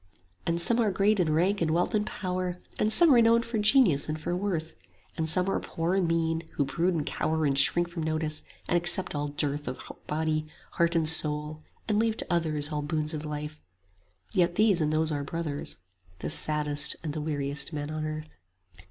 And some are great in rank and wealth and power, And some renowned for genius and for worth; And some are poor and mean, who brood and cower And shrink from notice, and accept all dearth 25 Of body, heart and soul, and leave to others All boons of life: yet these and those are brothers, The saddest and the weariest men on earth.